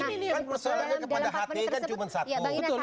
ini kan persoalannya kepada hti kan cuma satu